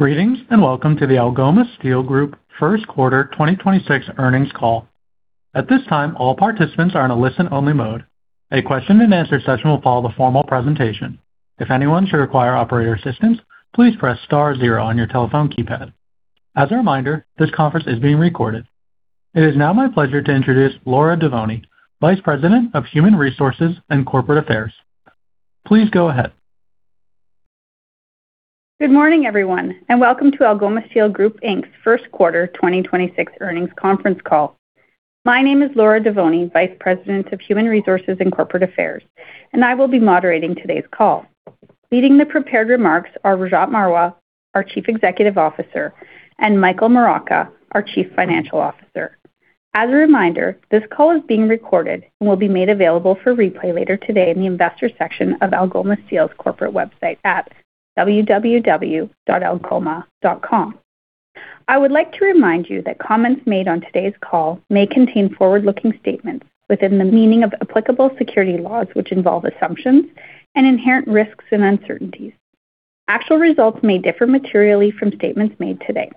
Greetings, welcome to the Algoma Steel Group first quarter 2026 earnings call. At this time, all participants are in a listen-only mode. A question-and-answer session will follow the formal presentation. If anyone should require operator assistance, please press star zero on your telephone keypad. As a reminder, this conference is being recorded. It is now my pleasure to introduce Laura Devoni, Vice President of Human Resources and Corporate Affairs. Please go ahead. Good morning, everyone, welcome to Algoma Steel Group Inc.'s first quarter 2026 earnings conference call. My name is Laura Devoni, Vice President of Human Resources and Corporate Affairs, I will be moderating today's call. Leading the prepared remarks are Rajat Marwah, our Chief Executive Officer, Michael Moraca, our Chief Financial Officer. As a reminder, this call is being recorded and will be made available for replay later today in the investor section of Algoma Steel's corporate website at www.algoma.com. I would like to remind you that comments made on today's call may contain forward-looking statements within the meaning of applicable security laws, which involve assumptions and inherent risks and uncertainties. Actual results may differ materially from statements made today.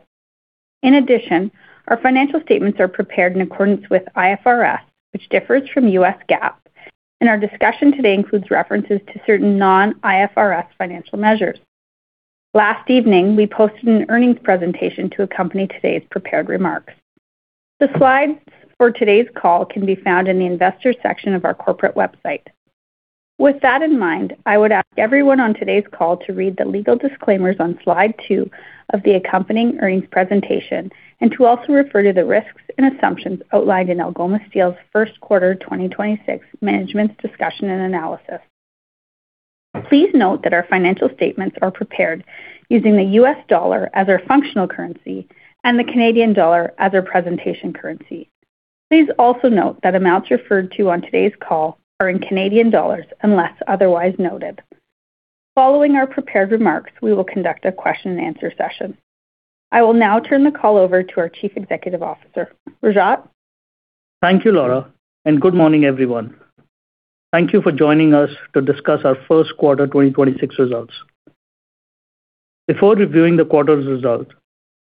In addition, our financial statements are prepared in accordance with IFRS, which differs from US GAAP, our discussion today includes references to certain non-IFRS financial measures. Last evening, we posted an earnings presentation to accompany today's prepared remarks. The slides for today's call can be found in the Investor section of our corporate website. With that in mind, I would ask everyone on today's call to read the legal disclaimers on slide 2 of the accompanying earnings presentation and to also refer to the risks and assumptions outlined in Algoma Steel's first quarter 2026 management's discussion and analysis. Please note that our financial statements are prepared using the US dollar as our functional currency and the Canadian dollar as our presentation currency. Please also note that amounts referred to on today's call are in Canadian dollars, unless otherwise noted. Following our prepared remarks, we will conduct a question-and-answer session. I will now turn the call over to our Chief Executive Officer. Rajat. Thank you, Laura, and good morning, everyone. Thank you for joining us to discuss our 1st quarter 2026 results. Before reviewing the quarter's results,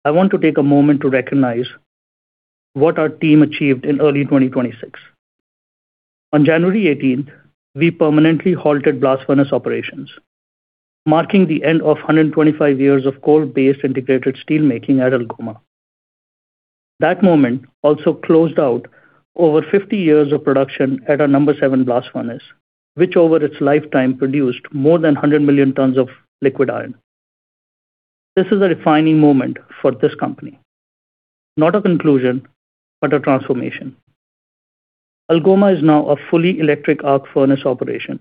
I want to take a moment to recognize what our team achieved in early 2026. On January 18th, we permanently halted blast furnace operations, marking the end of 125 years of coal-based integrated steel making at Algoma. That moment also closed out over 50 years of production at our No. 7 Blast Furnace, which over its lifetime produced more than 100 million tons of liquid iron. This is a defining moment for this company, not a conclusion, but a transformation. Algoma is now a fully electric arc furnace operation,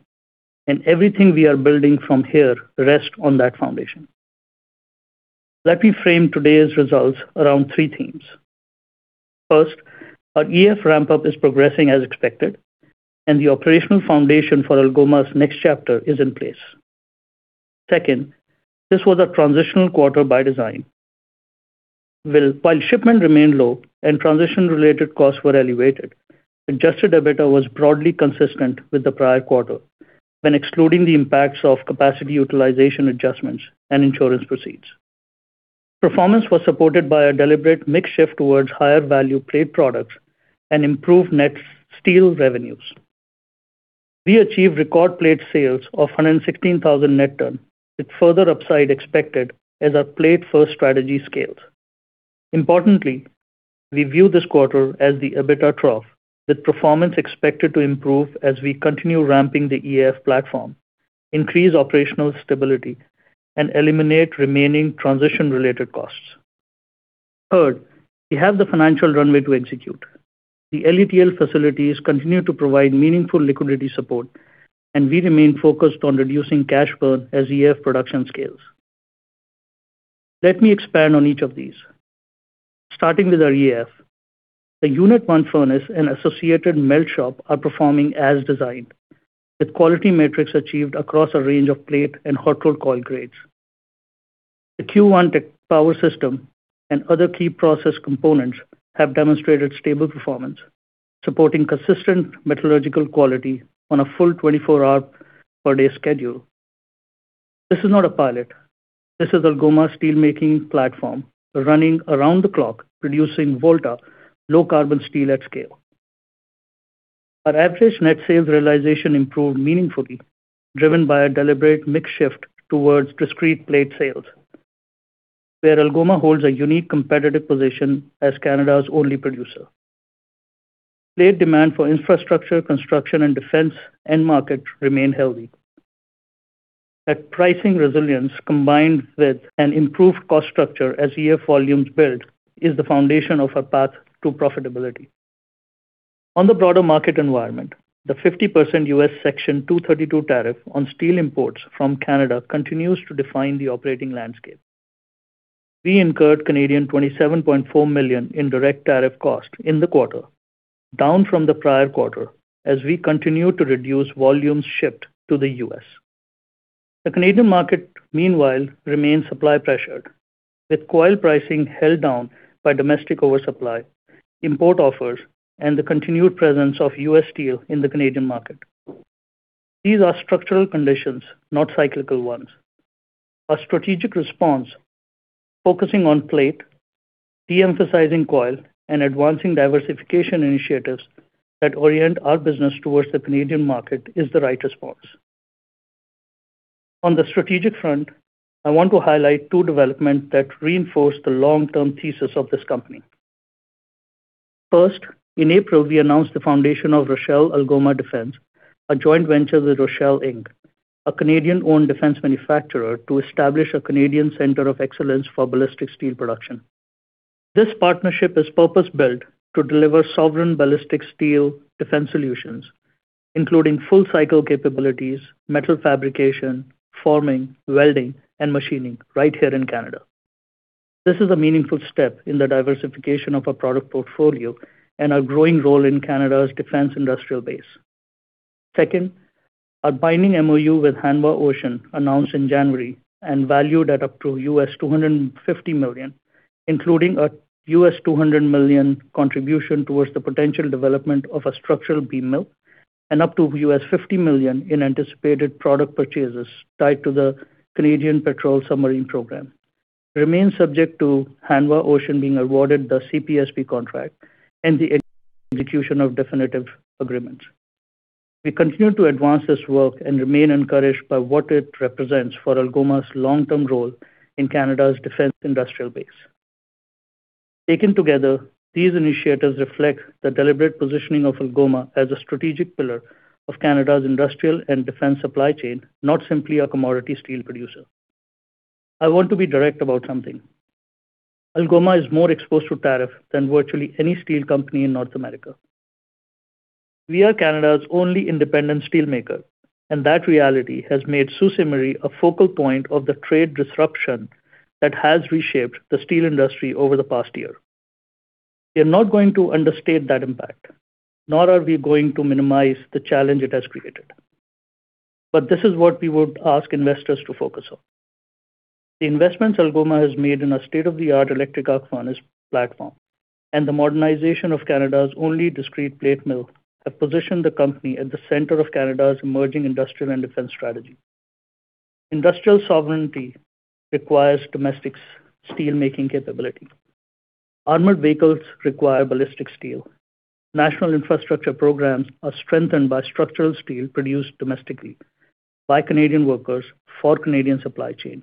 and everything we are building from here rests on that foundation. Let me frame today's results around three themes. First, our EAF ramp-up is progressing as expected, and the operational foundation for Algoma's next chapter is in place. Second, this was a transitional quarter by design. While shipment remained low and transition-related costs were elevated, adjusted EBITDA was broadly consistent with the prior quarter when excluding the impacts of capacity utilization adjustments and insurance proceeds. Performance was supported by a deliberate mix shift towards higher-value plate products and improved net steel revenues. We achieved record plate sales of 116,000 net tons, with further upside expected as our plate-first strategy scales. Importantly, we view this quarter as the EBITDA trough, with performance expected to improve as we continue ramping the EAF platform, increase operational stability, and eliminate remaining transition-related costs. Third, we have the financial runway to execute. The LETL facilities continue to provide meaningful liquidity support. We remain focused on reducing cash burn as EAF production scales. Let me expand on each of these. Starting with our EAF. The unit one furnace and associated melt shop are performing as designed, with quality metrics achieved across a range of plate and hot rolled coil grades. The Q-One power system and other key process components have demonstrated stable performance, supporting consistent metallurgical quality on a full 24-hour per day schedule. This is not a pilot. This is Algoma Steel making platform running around the clock, producing Volta low-carbon steel at scale. Our average net sales realization improved meaningfully, driven by a deliberate mix shift towards discrete plate sales, where Algoma holds a unique competitive position as Canada's only producer. Plate demand for infrastructure, construction, and defense end market remain healthy. That pricing resilience, combined with an improved cost structure as EAF volumes build, is the foundation of our path to profitability. On the broader market environment, the 50% U.S. Section 232 tariff on steel imports from Canada continues to define the operating landscape. We incurred 27.4 million in direct tariff cost in the quarter, down from the prior quarter as we continue to reduce volumes shipped to the U.S. The Canadian market, meanwhile, remains supply-pressured, with coil pricing held down by domestic oversupply, import offers, and the continued presence of U.S. Steel in the Canadian market. These are structural conditions, not cyclical ones. A strategic response focusing on plate, de-emphasizing coil, and advancing diversification initiatives that orient our business towards the Canadian market is the right response. On the strategic front, I want to highlight two developments that reinforce the long-term thesis of this company. First, in April, we announced the foundation of Roshel Algoma Defence, a joint venture with Roshel Inc., a Canadian-owned defense manufacturer, to establish a Canadian center of excellence for ballistic steel production. This partnership is purpose-built to deliver sovereign ballistic steel defense solutions, including full-cycle capabilities, metal fabrication, forming, welding, and machining right here in Canada. This is a meaningful step in the diversification of our product portfolio and our growing role in Canada's defense industrial base. Second, our binding MoU with Hanwha Ocean announced in January and valued at up to $250 million, including a $200 million contribution towards the potential development of a structural beam mill and up to $50 million in anticipated product purchases tied to the Canadian Patrol Submarine Program, remains subject to Hanwha Ocean being awarded the CPSP contract and the execution of definitive agreements. We continue to advance this work and remain encouraged by what it represents for Algoma's long-term role in Canada's defense industrial base. Taken together, these initiatives reflect the deliberate positioning of Algoma as a strategic pillar of Canada's industrial and defense supply chain, not simply a commodity steel producer. I want to be direct about something. Algoma is more exposed to tariff than virtually any steel company in North America. We are Canada's only independent steelmaker, and that reality has made Sault Ste. Marie a focal point of the trade disruption that has reshaped the steel industry over the past year. We are not going to understate that impact, nor are we going to minimize the challenge it has created. This is what we would ask investors to focus on. The investments Algoma has made in our state-of-the-art electric arc furnace platform and the modernization of Canada's only discrete plate mill have positioned the company at the center of Canada's emerging industrial and defense strategy. Industrial sovereignty requires domestic steel making capability. Armored vehicles require ballistic steel. National infrastructure programs are strengthened by structural steel produced domestically by Canadian workers for Canadian supply chain.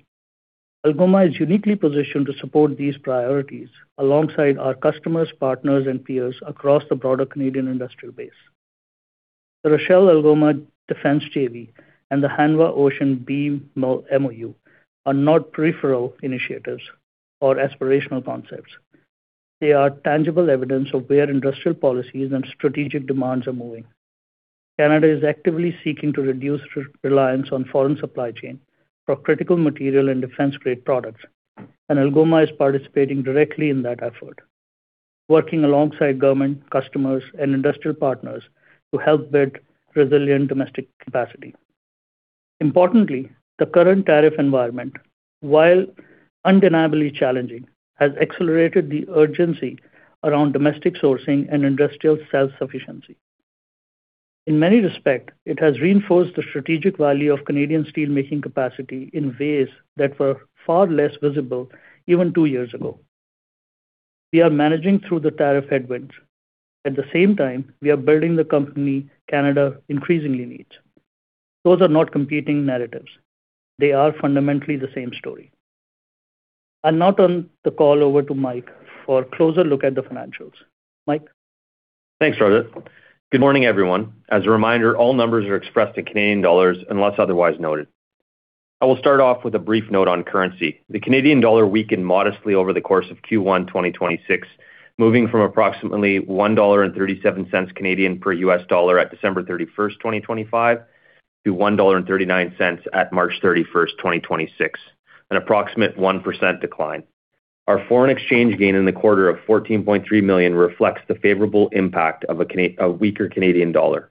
Algoma is uniquely positioned to support these priorities alongside our customers, partners, and peers across the broader Canadian industrial base. The Roshel Algoma Defence JV and the Hanwha Ocean beam mill MoU are not peripheral initiatives or aspirational concepts. They are tangible evidence of where industrial policies and strategic demands are moving. Canada is actively seeking to reduce reliance on foreign supply chain for critical material and defense-grade products, and Algoma is participating directly in that effort, working alongside government, customers, and industrial partners to help build resilient domestic capacity. Importantly, the current tariff environment, while undeniably challenging, has accelerated the urgency around domestic sourcing and industrial self-sufficiency. In many respects, it has reinforced the strategic value of Canadian steelmaking capacity in ways that were far less visible even two years ago. We are managing through the tariff headwinds. At the same time, we are building the company Canada increasingly needs. Those are not competing narratives. They are fundamentally the same story. I'll now turn the call over to Mike for a closer look at the financials. Mike? Thanks, Rajat. Good morning, everyone. As a reminder, all numbers are expressed in Canadian dollars unless otherwise noted. I will start off with a brief note on currency. The Canadian dollar weakened modestly over the course of Q1 2026, moving from approximately 1.37 Canadian dollars per USD at December 31, 2025 to 1.39 dollar at March 31, 2026, an approximate 1% decline. Our foreign exchange gain in the quarter of 14.3 million reflects the favorable impact of a weaker Canadian dollar.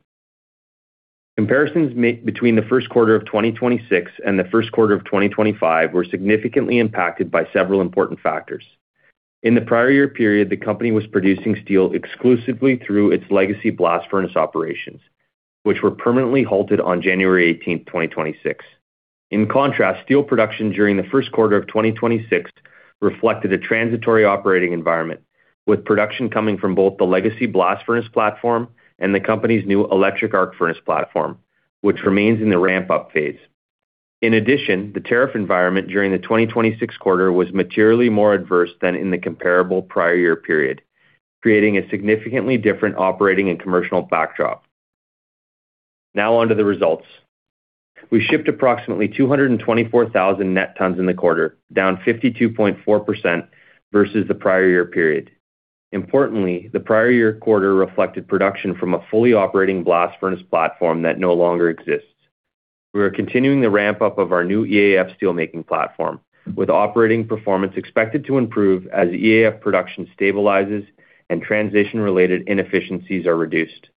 Comparisons made between the first quarter of 2026 and the first quarter of 2025 were significantly impacted by several important factors. In the prior year period, the company was producing steel exclusively through its legacy blast furnace operations, which were permanently halted on January 18, 2026. In contrast, steel production during the first quarter of 2026 reflected a transitory operating environment, with production coming from both the legacy blast furnace platform and the company's new electric arc furnace platform, which remains in the ramp-up phase. In addition, the tariff environment during the 2026 quarter was materially more adverse than in the comparable prior year period, creating a significantly different operating and commercial backdrop. Now on to the results. We shipped approximately 224,000 net tons in the quarter, down 52.4% versus the prior year period. Importantly, the prior year quarter reflected production from a fully operating blast furnace platform that no longer exists. We are continuing the ramp-up of our new EAF steel making platform, with operating performance expected to improve as EAF production stabilizes and transition-related inefficiencies are reduced.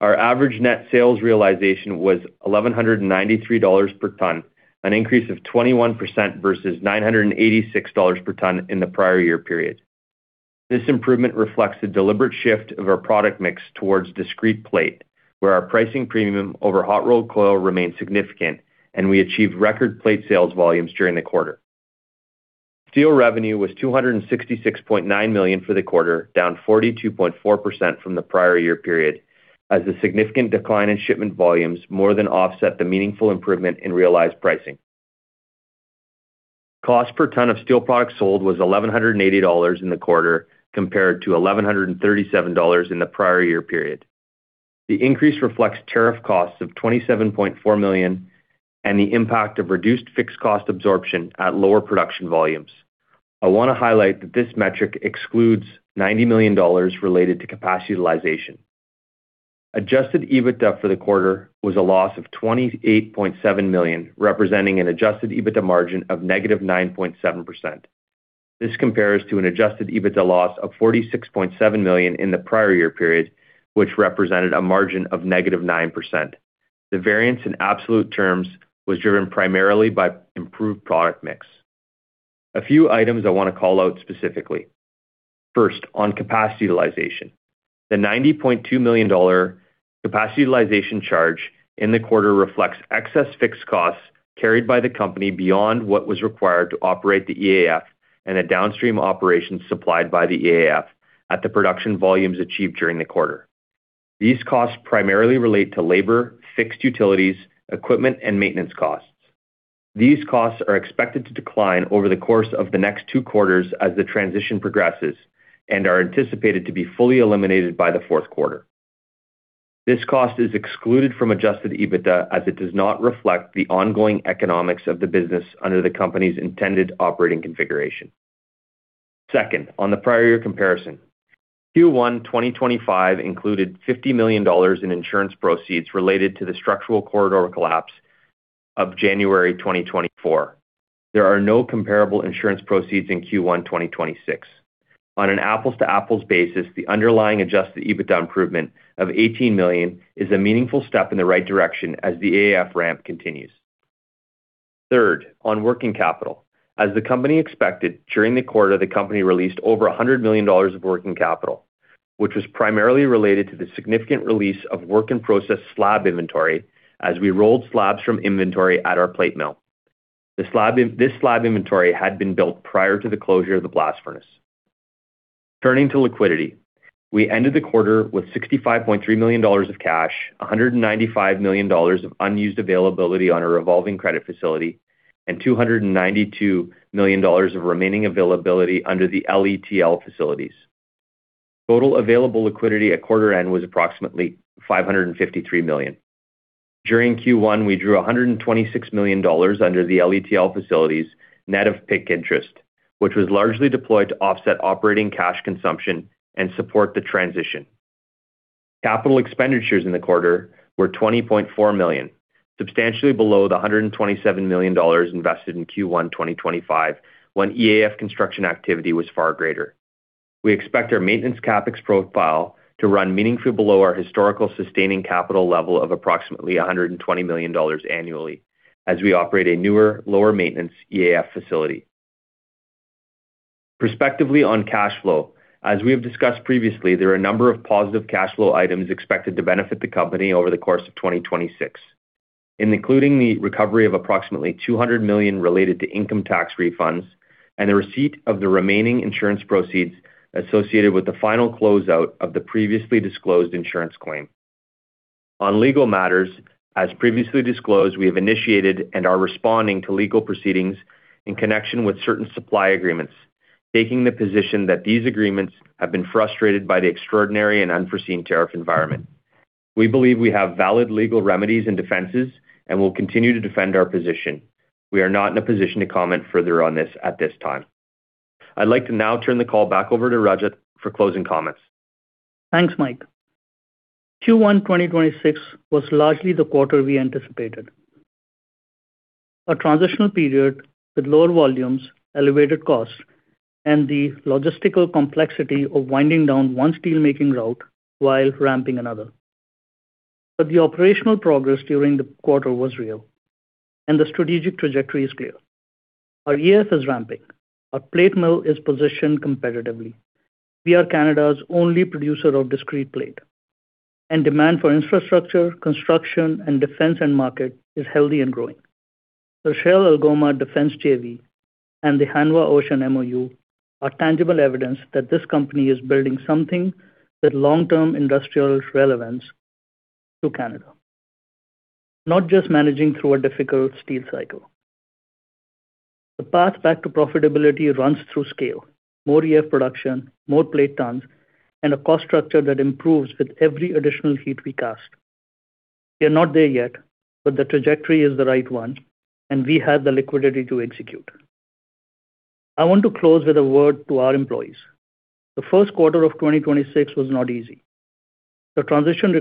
Our average net sales realization was $1,193 per ton, an increase of 21% versus $986 per ton in the prior year period. This improvement reflects a deliberate shift of our product mix towards discrete plate, where our pricing premium over hot rolled coil remains significant, and we achieved record plate sales volumes during the quarter. Steel revenue was $266.9 million for the quarter, down 42.4% from the prior year period, as the significant decline in shipment volumes more than offset the meaningful improvement in realized pricing. Cost per ton of steel products sold was $1,180 in the quarter, compared to $1,137 in the prior year period. The increase reflects tariff costs of $27.4 million and the impact of reduced fixed cost absorption at lower production volumes. I wanna highlight that this metric excludes $90 million related to capacity utilization. Adjusted EBITDA for the quarter was a loss of $28.7 million, representing an adjusted EBITDA margin of negative 9.7%. This compares to an adjusted EBITDA loss of $46.7 million in the prior year period, which represented a margin of -9%. The variance in absolute terms was driven primarily by improved product mix. A few items I wanna call out specifically. First, on capacity utilization. The 90.2 million dollar capacity utilization charge in the quarter reflects excess fixed costs carried by the company beyond what was required to operate the EAF and the downstream operations supplied by the EAF at the production volumes achieved during the quarter. These costs primarily relate to labor, fixed utilities, equipment, and maintenance costs. These costs are expected to decline over the course of the next two quarters as the transition progresses and are anticipated to be fully eliminated by the fourth quarter. This cost is excluded from adjusted EBITDA as it does not reflect the ongoing economics of the business under the company's intended operating configuration. Second, on the prior year comparison. Q1 2025 included 50 million dollars in insurance proceeds related to the structural corridor collapse of January 2024. There are no comparable insurance proceeds in Q1 2026. On an apples-to-apples basis, the underlying adjusted EBITDA improvement of $18 million is a meaningful step in the right direction as the EAF ramp continues. Third, on working capital. As the company expected, during the quarter, the company released over $100 million of working capital, which was primarily related to the significant release of work-in-process slab inventory as we rolled slabs from inventory at our plate mill. This slab inventory had been built prior to the closure of the blast furnace. Turning to liquidity. We ended the quarter with $65.3 million of cash, $195 million of unused availability on our revolving credit facility, and $292 million of remaining availability under the LETL facilities. Total available liquidity at quarter end was approximately $553 million. During Q1, we drew 126 million dollars under the LETL facilities, net of PIK interest, which was largely deployed to offset operating cash consumption and support the transition. Capital expenditures in the quarter were 20.4 million, substantially below the 127 million dollars invested in Q1 2025 when EAF construction activity was far greater. We expect our maintenance CapEx profile to run meaningfully below our historical sustaining capital level of approximately 120 million dollars annually as we operate a newer, lower maintenance EAF facility. Prospectively on cash flow, as we have discussed previously, there are a number of positive cash flow items expected to benefit the company over the course of 2026, including the recovery of approximately $200 million related to income tax refunds and the receipt of the remaining insurance proceeds associated with the final closeout of the previously disclosed insurance claim. On legal matters, as previously disclosed, we have initiated and are responding to legal proceedings in connection with certain supply agreements, taking the position that these agreements have been frustrated by the extraordinary and unforeseen tariff environment. We believe we have valid legal remedies and defenses and will continue to defend our position. We are not in a position to comment further on this at this time. I'd like to now turn the call back over to Rajat for closing comments. Thanks, Mike. Q1 2026 was largely the quarter we anticipated. A transitional period with lower volumes, elevated costs, and the logistical complexity of winding down one steelmaking route while ramping another. The operational progress during the quarter was real, and the strategic trajectory is clear. Our EAF is ramping. Our plate mill is positioned competitively. We are Canada's only producer of discrete plate, and demand for infrastructure, construction, and defense end market is healthy and growing. The Roshel Algoma Defence JV and the Hanwha Ocean MoU are tangible evidence that this company is building something with long-term industrial relevance to Canada, not just managing through a difficult steel cycle. The path back to profitability runs through scale, more EAF production, more plate tons, and a cost structure that improves with every additional heat we cast. We are not there yet, but the trajectory is the right one, and we have the liquidity to execute. I want to close with a word to our employees. The first quarter of 2026 was not easy. The transition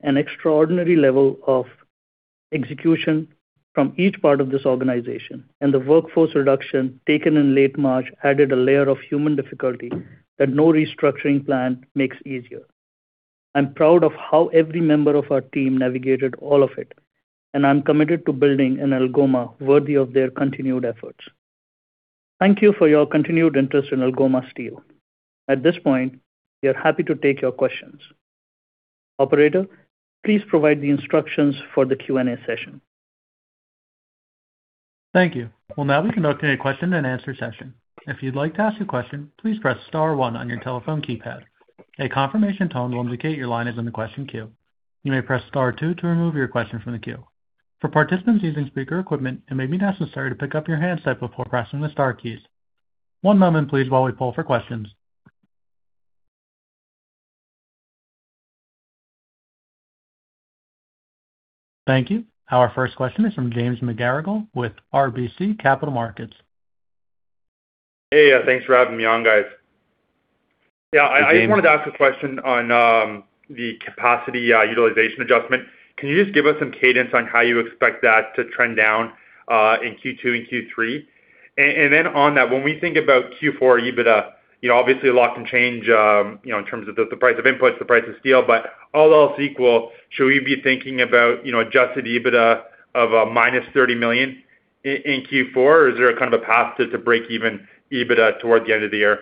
required an extraordinary level of execution from each part of this organization, and the workforce reduction taken in late March added a layer of human difficulty that no restructuring plan makes easier. I'm proud of how every member of our team navigated all of it, and I'm committed to building an Algoma worthy of their continued efforts. Thank you for your continued interest in Algoma Steel. At this point, we are happy to take your questions. Operator, please provide the instructions for the Q&A session. Thank you. Thank you. Our first question is from James McGarragle with RBC Capital Markets. Hey, thanks for having me on, guys. Hey, James. I just wanted to ask a question on the capacity utilization adjustment. Can you just give us some cadence on how you expect that to trend down in Q2 and Q3? When we think about Q4 EBITDA, you know, obviously a lot can change, you know, in terms of the price of inputs, the price of steel, but all else equal, should we be thinking about, you know, adjusted EBITDA of -$30 million in Q4? Is there a kind of a path to breakeven EBITDA toward the end of the year?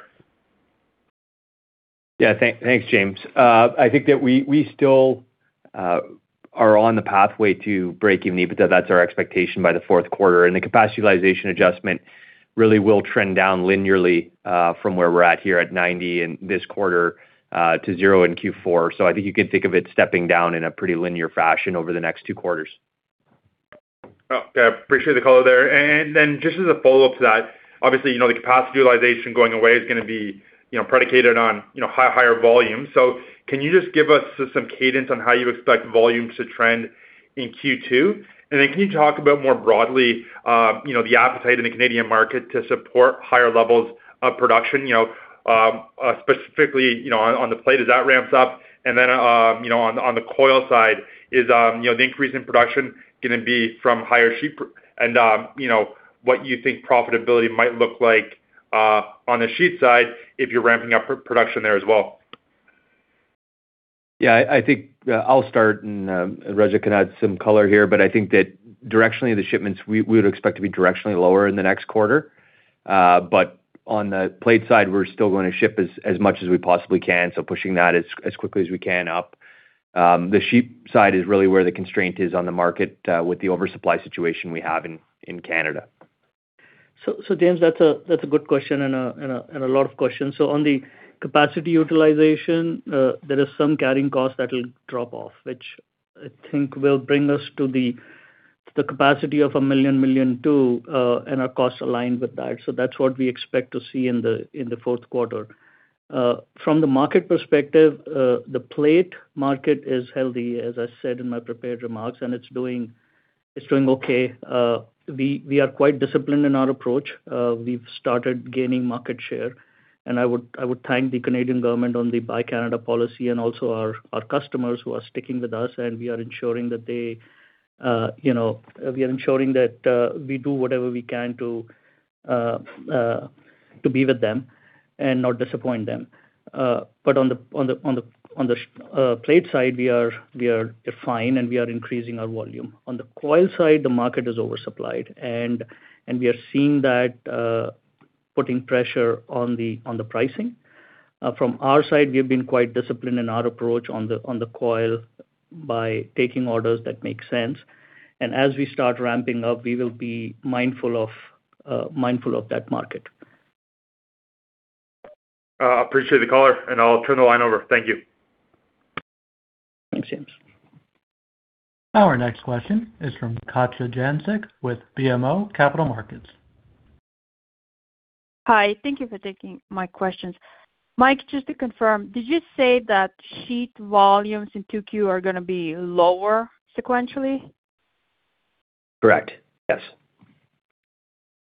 Thanks, James. I think that we still are on the pathway to breaking EBITDA. That's our expectation by the fourth quarter. The capacity utilization adjustment really will trend down linearly from where we're at here at 90% in this quarter to 0% in Q4. I think you can think of it stepping down in a pretty linear fashion over the next two quarters. Oh, yeah, appreciate the color there. Just as a follow-up to that, obviously, the capacity utilization going away is going to be predicated on higher volumes. Can you just give us some cadence on how you expect volumes to trend in Q2? Can you talk about more broadly the appetite in the Canadian market to support higher levels of production specifically on the plate as that ramps up? On the coil side is the increase in production going to be from higher sheet production and what you think profitability might look like on the sheet side if you're ramping up production there as well. Yeah, I think I'll start and Raja can add some color here. I think that directionally the shipments we would expect to be directionally lower in the next quarter. On the plate side, we're still gonna ship as much as we possibly can, so pushing that as quickly as we can up. The sheet side is really where the constraint is on the market with the oversupply situation we have in Canada. James, that's a good question and a lot of questions. On the capacity utilization, there is some carrying cost that will drop off, which I think will bring us to the capacity of 1 million, 1.2 million, and our costs aligned with that. That's what we expect to see in the fourth quarter. From the market perspective, the plate market is healthy, as I said in my prepared remarks, and it's doing okay. We are quite disciplined in our approach. We've started gaining market share, I would thank the Canadian government on the Buy Canadian Policy and also our customers who are sticking with us, and we are ensuring that they, you know, we are ensuring that we do whatever we can to be with them and not disappoint them. On the plate side, we are fine, and we are increasing our volume. On the coil side, the market is oversupplied, and we are seeing that putting pressure on the pricing. From our side, we've been quite disciplined in our approach on the coil by taking orders that make sense. As we start ramping up, we will be mindful of that market. Appreciate the color, and I'll turn the line over. Thank you. Thanks, James. Our next question is from Katja Jancic with BMO Capital Markets. Hi. Thank you for taking my questions. Mike, just to confirm, did you say that sheet volumes in 2Q are going to be lower sequentially? Correct. Yes.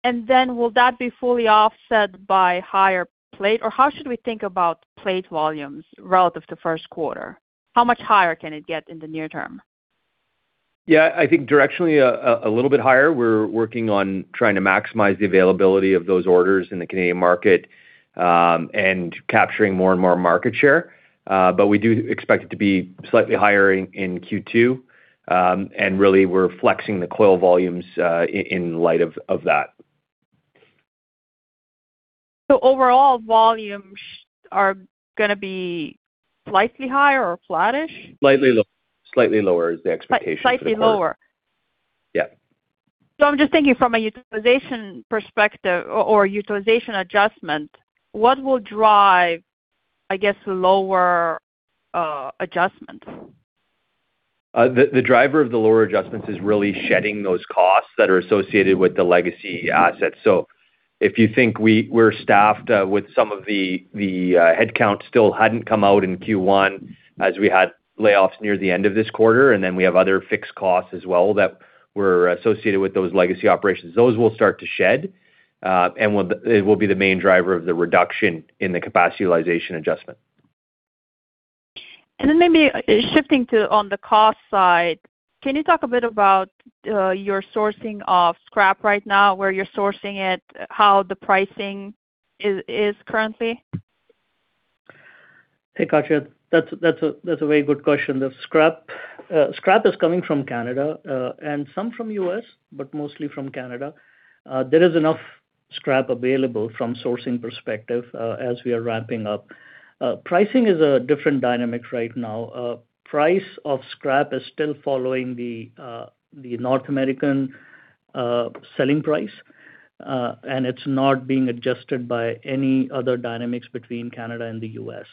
Will that be fully offset by higher plate? How should we think about plate volumes relative to first quarter? How much higher can it get in the near term? Yeah. I think directionally a little bit higher. We're working on trying to maximize the availability of those orders in the Canadian market, and capturing more and more market share. We do expect it to be slightly higher in Q2. Really we're flexing the coil volumes in light of that. Overall volumes are going to be slightly higher or flattish? Slightly lower is the expectation for the quarter. Slightly lower? Yeah. I'm just thinking from a utilization perspective or utilization adjustment, what will drive, I guess, lower adjustment? The driver of the lower adjustments is really shedding those costs that are associated with the legacy assets. If you think we're staffed with some of the headcount still hadn't come out in Q1 as we had layoffs near the end of this quarter, and then we have other fixed costs as well that were associated with those legacy operations. Those will start to shed, and it will be the main driver of the reduction in the capacity utilization adjustment. Maybe shifting to on the cost side, can you talk a bit about your sourcing of scrap right now, where you're sourcing it, how the pricing is currently? Hey, Katja, that's a very good question. The scrap is coming from Canada and some from U.S., but mostly from Canada. There is enough scrap available from sourcing perspective as we are ramping up. Pricing is a different dynamic right now. Price of scrap is still following the North American selling price. And it's not being adjusted by any other dynamics between Canada and the U.S.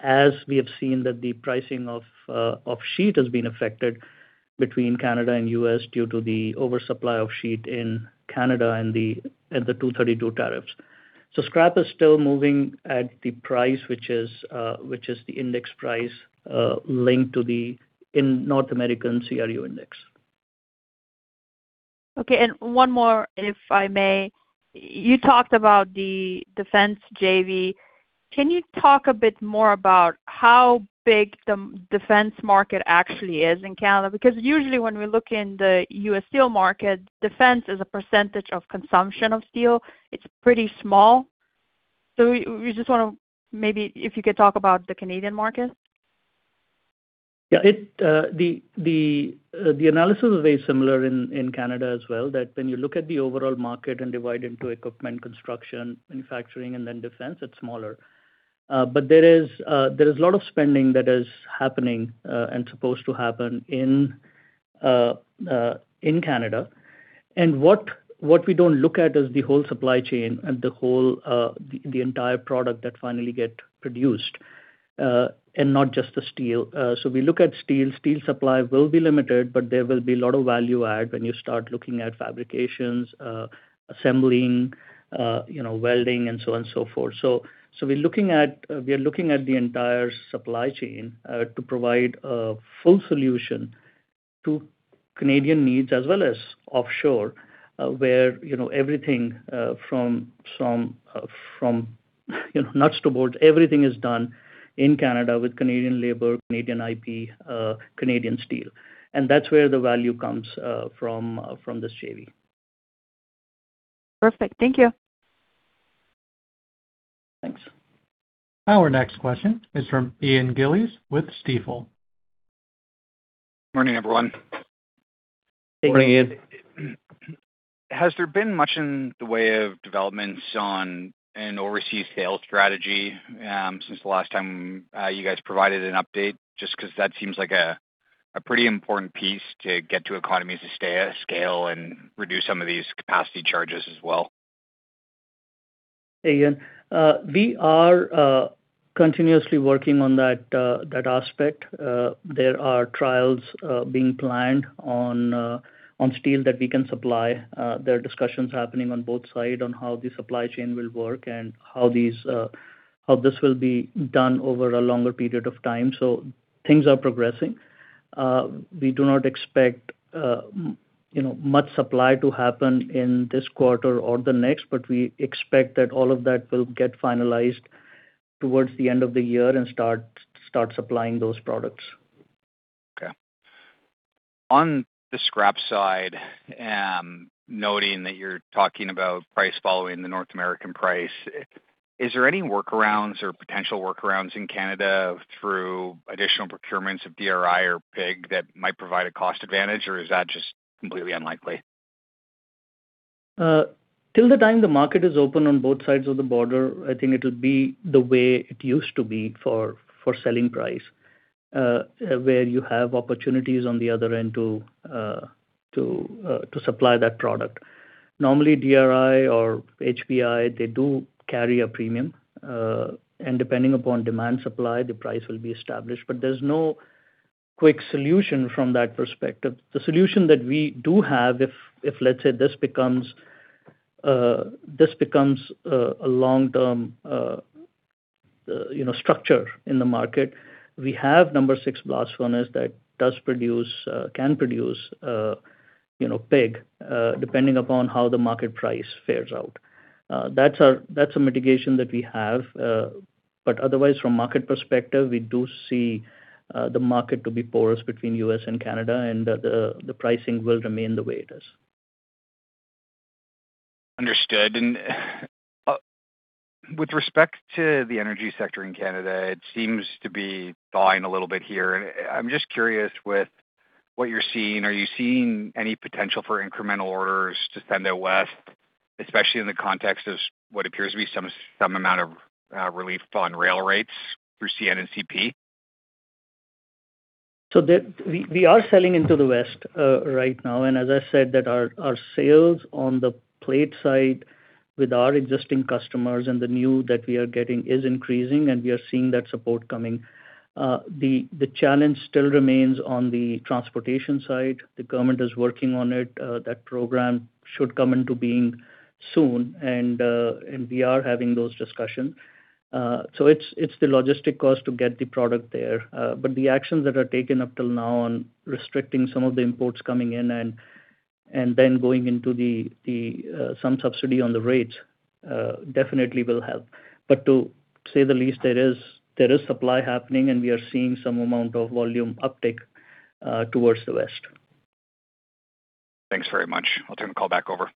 As we have seen that the pricing of sheet has been affected between Canada and U.S. due to the oversupply of sheet in Canada and the Section 232 tariffs. Scrap is still moving at the price, which is the index price, linked to the North American CRU index. Okay, and one more, if I may. You talked about the defense JV. Can you talk a bit more about how big the defense market actually is in Canada? Because usually when we look in the U.S. steel market, defense as a % of consumption of steel, it's pretty small. We, we just wanna maybe if you could talk about the Canadian market. Yeah, it, the analysis is very similar in Canada as well, that when you look at the overall market and divide into equipment, construction, manufacturing, and then defense, it's smaller. There is a lot of spending that is happening and supposed to happen in Canada. What we don't look at is the whole supply chain and the whole, the entire product that finally get produced and not just the steel. We look at steel supply will be limited, but there will be a lot of value add when you start looking at fabrications, assembling, you know, welding and so on and so forth. We are looking at the entire supply chain to provide a full solution to Canadian needs as well as offshore, where, you know, everything from, you know, nuts to bolts, everything is done in Canada with Canadian labor, Canadian IP, Canadian steel. That's where the value comes from this JV. Perfect. Thank you. Thanks. Our next question is from Ian Gillies with Stifel. Morning, everyone. Morning, Ian. Has there been much in the way of developments on an overseas sales strategy since the last time you guys provided an update? Just 'cause that seems like a pretty important piece to get to economies of scale and reduce some of these capacity charges as well. Hey, Ian. We are continuously working on that aspect. There are trials being planned on steel that we can supply. There are discussions happening on both sides on how the supply chain will work and how this will be done over a longer period of time. Things are progressing. We do not expect, you know, much supply to happen in this quarter or the next, but we expect that all of that will get finalized towards the end of the year and start supplying those products. Okay. On the scrap side, noting that you're talking about price following the North American price, is there any workarounds or potential workarounds in Canada through additional procurements of DRI or pig that might provide a cost advantage, or is that just completely unlikely? Till the time the market is open on both sides of the border, I think it'll be the way it used to be for selling price, where you have opportunities on the other end to supply that product. Normally, DRI or HBI, they do carry a premium, and depending upon demand supply, the price will be established. There's no quick solution from that perspective. The solution that we do have, if let's say this becomes a long-term, you know, structure in the market, we have No. 6 Blast Furnace that does produce, can produce, you know, pig, depending upon how the market price fares out. That's a mitigation that we have. Otherwise, from market perspective, we do see the market to be porous between U.S. and Canada, and the pricing will remain the way it is. Understood. With respect to the energy sector in Canada, it seems to be thawing a little bit here. I'm just curious with what you're seeing. Are you seeing any potential for incremental orders to send out west, especially in the context of what appears to be some amount of relief on rail rates through CN and CP? We are selling into the west right now. As I said that our sales on the plate side with our existing customers and the new that we are getting is increasing, and we are seeing that support coming. The challenge still remains on the transportation side. The government is working on it. That program should come into being soon, and we are having those discussions. It's the logistic cost to get the product there. The actions that are taken up till now on restricting some of the imports coming in and then going into the some subsidy on the rates definitely will help. To say the least, there is supply happening, and we are seeing some amount of volume uptick towards the west. Thanks very much. I'll turn the call back over.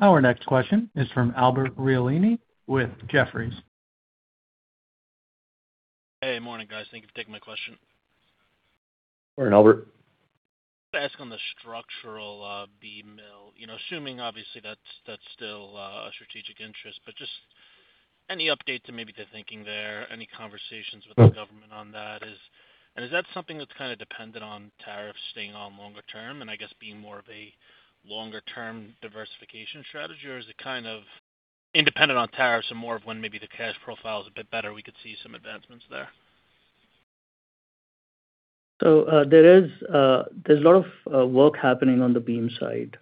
Our next question is from Albert Realini with Jefferies. Hey, morning, guys. Thank you for taking my question. Morning, Albert. To ask on the structural beam mill, you know, assuming obviously that's still a strategic interest, but just any update to maybe the thinking there, any conversations with the government on that? And is that something that's kind of dependent on tariffs staying on longer term and I guess being more of a longer-term diversification strategy? Or is it kind of independent on tariffs and more of when maybe the cash profile is a bit better, we could see some advancements there? There's a lot of work happening on the beam side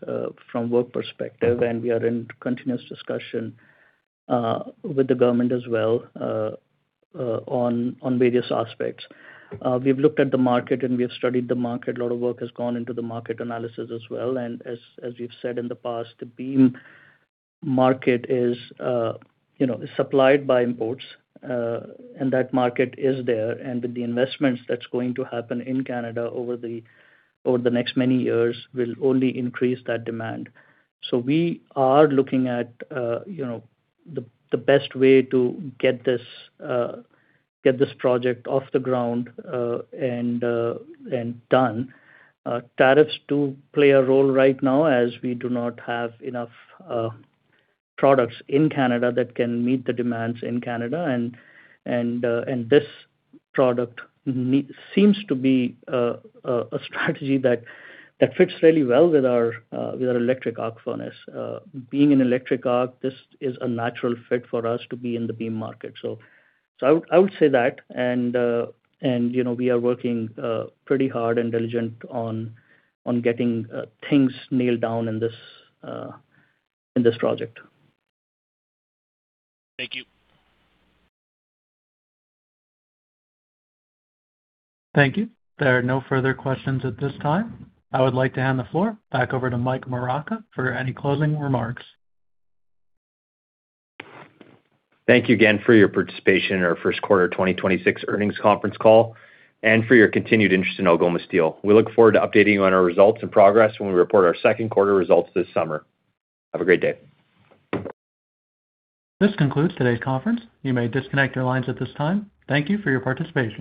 from work perspective, and we are in continuous discussion with the government as well on various aspects. We've looked at the market and we have studied the market. A lot of work has gone into the market analysis as well. As we've said in the past, the beam market is, you know, is supplied by imports. That market is there. With the investments that's going to happen in Canada over the next many years, will only increase that demand. We are looking at, you know, the best way to get this project off the ground and done. Tariffs do play a role right now as we do not have enough products in Canada that can meet the demands in Canada. This product seems to be a strategy that fits really well with our electric arc furnace. Being an electric arc, this is a natural fit for us to be in the beam market. I would say that. You know, we are working pretty hard and diligent on getting things nailed down in this project. Thank you. Thank you. There are no further questions at this time. I would like to hand the floor back over to Michael Moraca for any closing remarks. Thank you again for your participation in our first quarter 2026 earnings conference call, and for your continued interest in Algoma Steel. We look forward to updating you on our results and progress when we report our second quarter results this summer. Have a great day. This concludes today's conference. You may disconnect your lines at this time. Thank you for your participation.